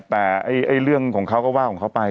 แต่เรื่องของเขาก็ว่าของเขาไป